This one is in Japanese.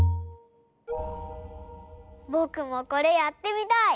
ぼくもこれやってみたい！